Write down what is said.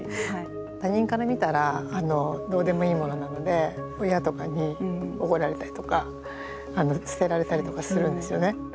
他人から見たらどうでもいいものなので親とかに怒られたりとか捨てられたりとかするんですよね。